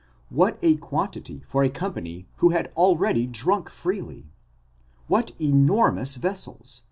® What a quantity for a com pany who had already drunk freely! What enormous vessels!